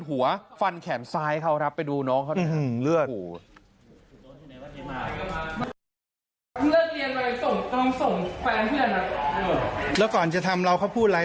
ูงส่งแฟ้งเพื่อนอะเออแล้วก่อนจะทำเราเขาพูดไร